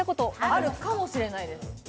あるかもしれないです。